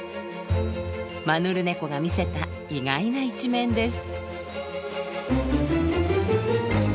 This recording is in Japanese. マヌルネコが見せた意外な一面です。